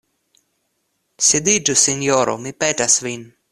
Sidiĝu, sinjoro, mi petas vin.